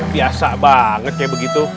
biasa banget kayak begitu